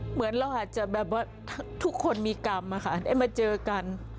เหมือนเราอาจจะแบบว่าทุกคนมีกรรมอะค่ะได้มาเจอกัน